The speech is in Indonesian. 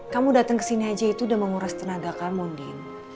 kamu datang ke sini aja itu udah menguras tenaga kamu din